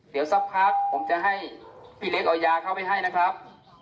เดี๋ยวสักพักผมจะให้พี่เล็กเอายาเข้าไปให้นะครับ